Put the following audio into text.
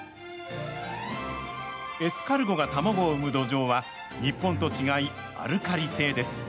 エスカルゴが卵を産む土壌は、日本と違い、アルカリ性です。